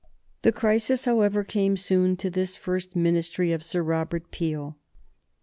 The crisis, however, came soon to this first Ministry of Sir Robert Peel.